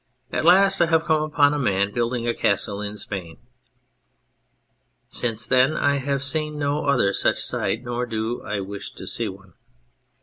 'At last I have come upon a man building a castle in Spain.' " Since then I have seen no other such sight, nor do I wish to see one.